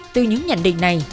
từ những nhận định này